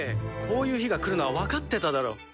こういう日が来るのは分かってただろ。